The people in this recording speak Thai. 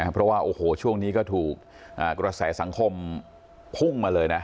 เพราะว่าโอ้โหช่วงนี้ก็ถูกกระแสสังคมพุ่งมาเลยนะ